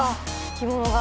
着物が。